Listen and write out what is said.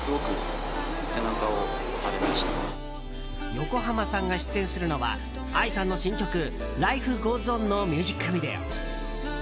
横浜さんが出演するのはＡＩさんの新曲「ＬｉｆｅＧｏｅｓＯｎ」のミュージックビデオ。